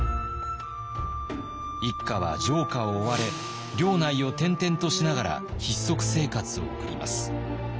一家は城下を追われ領内を転々としながら塞生活を送ります。